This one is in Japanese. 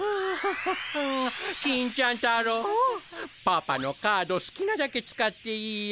パパのカードすきなだけ使っていいよ。